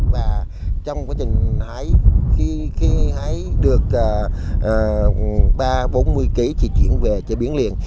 và trong quá trình hái khi hái được ba bốn mươi kg thì chuyển về chế biến liền